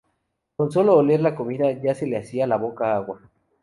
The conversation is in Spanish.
Con solo oler la comida ya se le hacía la boca agua